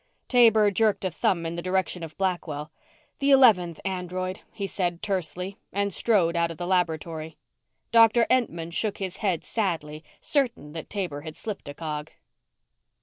Taber jerked a thumb in the direction of Blackwell. "The eleventh android," he said tersely, and strode out of the laboratory. Dr. Entman shook his head sadly, certain that Taber had slipped a cog.